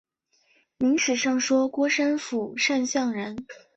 明史上说郭山甫善相人。